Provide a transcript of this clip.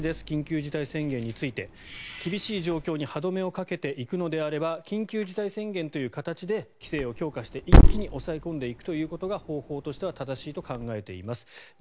緊急事態宣言について厳しい状況に歯止めをかけていくのであれば緊急事態宣言という形で規制を強化して一気に抑え込んでいくということが方法としては正しいと考えています。